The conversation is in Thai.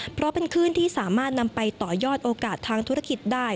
เพราะเป็นคลื่นที่สามารถนำไปต่อยอดโอกาสทางธุรกิจได้